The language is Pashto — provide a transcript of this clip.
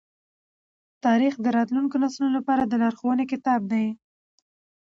تاریخ د راتلونکو نسلونو لپاره د لارښوونې کتاب دی.